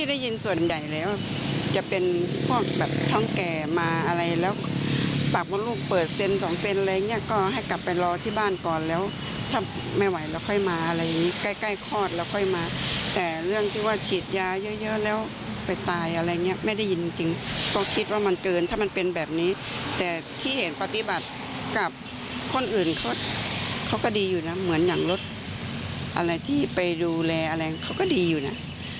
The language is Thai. อาจกลับคนอื่นเขาก็ดีอยู่นะเหมือนอย่างรถอะไรที่ไปดูแลอะไรเขาก็ดีอยู่นะ